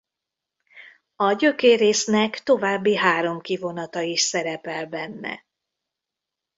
A gyökér résznek további három kivonata is szerepel benne.